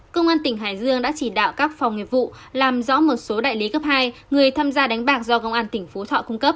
công an tỉnh hải dương đã chỉ đạo các phòng nghiệp vụ làm rõ một số đại lý cấp hai người tham gia đánh bạc do công an tỉnh phú thọ cung cấp